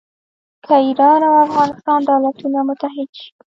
که ایران او افغانستان دولتونه متحد شي.